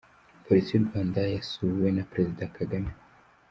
Polisi y’u Rwanda yasuwe na Perezida Kagame